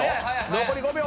残り５秒。